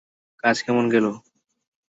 কাজ কেমন গেলো?